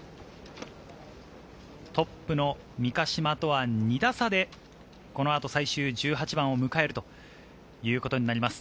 トップの三ヶ島とは２打差で最終１８番を迎えるということになります。